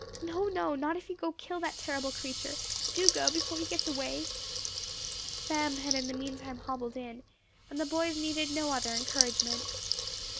"No, no; not if you go to kill that terrible creature. Do go, before he gets away." Sam had in the meantime hobbled in, and the boys needed no other encouragement.